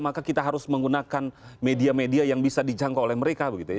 maka kita harus menggunakan media media yang bisa dijangkau oleh mereka begitu ya